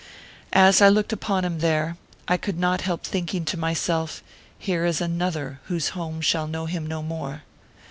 As I looked upon him there, I could not help think ing to myself, " here is another whose home shall know him no more."